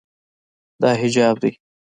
دا حجاب ده.